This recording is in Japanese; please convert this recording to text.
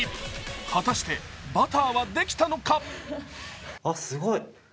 果たしてバターはできたのか？